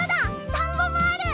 田んぼもある！